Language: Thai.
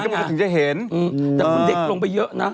คุณถึงจะเห็นแต่คุณเด็กลงไปเยอะนะ